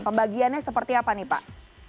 pembagiannya seperti apa pak